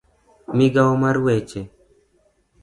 Migawo mar weche